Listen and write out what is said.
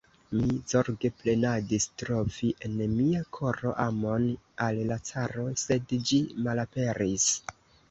Mi zorge penadis trovi en mia koro amon al la caro, sed ĝi malaperis!